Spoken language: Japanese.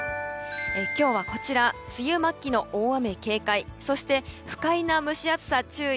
今日は、梅雨末期の大雨警戒そして、不快な蒸し暑さ注意。